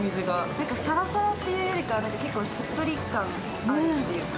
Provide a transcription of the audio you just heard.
なんかサラサラというよりか、結構しっとり感あるというか。